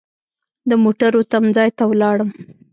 د موټرو تم ځای ته ولاړم.